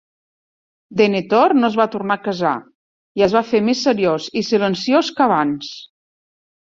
Denethor no es va tornar a casar i es va fer més seriós i silenciós que abans.